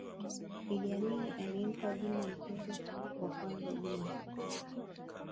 iddi amini alimpa jina mtoto wa kwanza jina